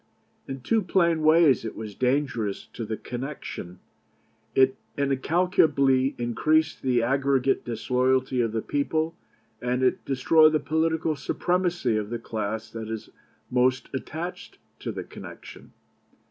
In two plain ways it was dangerous to the connection: it incalculably increased the aggregate disloyalty of the people, and it destroyed the political supremacy of the class that is most attached to the connection.